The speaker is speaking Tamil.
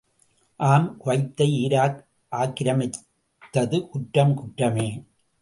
ஆம் குவைத்தை ஈராக் ஆக்கிரமித்தது குற்றம் குற்றமே!